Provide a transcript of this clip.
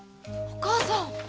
お父さん。